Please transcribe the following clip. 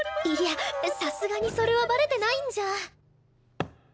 いやさすがにそれはバレてないんじゃ。